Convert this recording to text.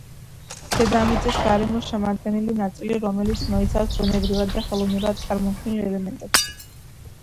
დედამიწის გარემოს შემადგენელი ნაწილი, რომელიც მოიცავს ბუნებრივად და ხელოვნურად წარმოქმნილ ელემენტებს